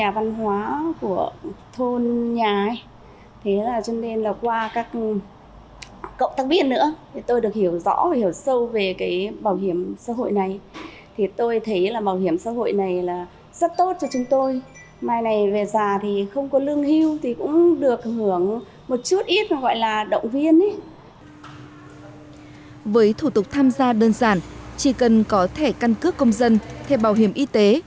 với thủ tục tham gia đơn giản chỉ cần có thẻ căn cước công dân thẻ bảo hiểm y tế